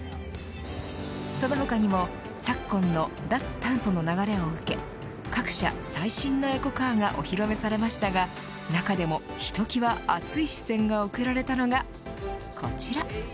その他にも昨今の脱炭素の流れを受け各社、最新のエコカーがお披露目されましたが中でもひときわ熱い視線が送られたのがこちら。